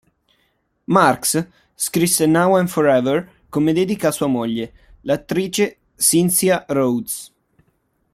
Marx scrisse "Now and Forever" come dedica a sua moglie, l'attrice Cynthia Rhodes.